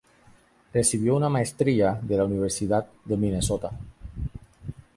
Recibió una maestría de la Universidad de Minnesota.